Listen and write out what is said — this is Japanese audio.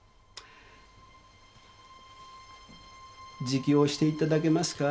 自供していただけますか？